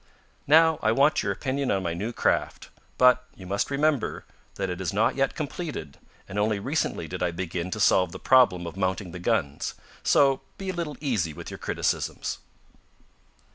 Now I want your opinion on my new craft. But, you must remember that it is not yet completed, and only recently did I begin to solve the problem of mounting the guns. So be a little easy with your criticisms."